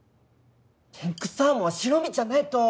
天狗サーモンは白身じゃないと！